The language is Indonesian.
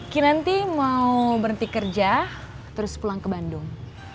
saya mau berhenti kerja terus pulang ke bandung